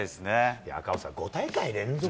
いやー、赤星さん、５大会連